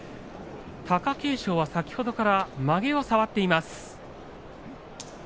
貴景勝、先ほどからまげを触っています。